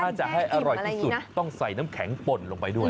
ถ้าจะให้อร่อยที่สุดต้องใส่น้ำแข็งป่นลงไปด้วย